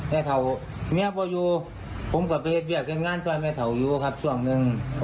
แม่เถ้าแม่เถ้าไม่อยู่ผมก็ไปเวียกกันงานซ่อยแม่เถ้าอยู่ครับส่วนหนึ่ง